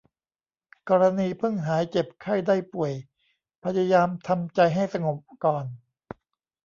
กรณีเพิ่งหายเจ็บไข้ได้ป่วยพยายามทำใจให้สงบก่อน